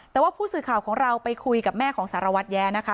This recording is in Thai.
แต่ว่าผู้สื่อข่าวของเราไปคุยกับแม่ของสารวัตรแย้นะคะ